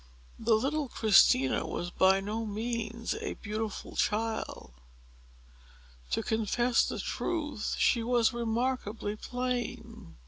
The little Christina was by no means a beautiful child. To confess the truth, she was remarkably plain.